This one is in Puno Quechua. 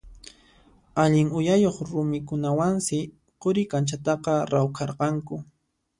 Allin uyayuq rumikunawansi Quri kanchataqa rawkharqanku.